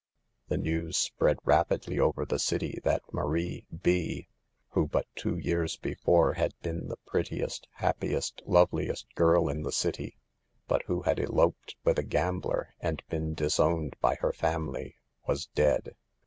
The news spread rapidly over the city that Marie B , who but two years before had been the prettiest, happiest, loveliest girl in the city, but who had eloped with a gambler and been disowned by her family, was dead.